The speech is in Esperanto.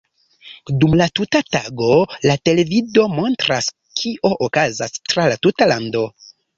Dum la tuta tago la televido montras, kio okazas tra la tuta lando.